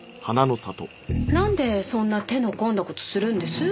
なんでそんな手の込んだ事するんです？